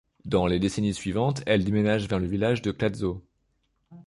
Dans les décennies suivantes, elle déménage vers le village de Klatzow.